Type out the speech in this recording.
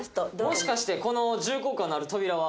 もしかしてこの重厚感のある扉は。